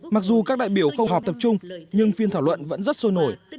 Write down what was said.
mặc dù các đại biểu không họp tập trung nhưng phiên thảo luận vẫn rất sôi nổi